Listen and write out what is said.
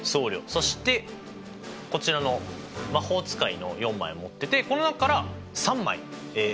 そしてこちらの魔法使いの４枚を持っててこの中から３枚選んで戦うと。